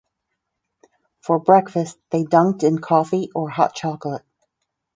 For breakfast they dunked in coffee or hot chocolate.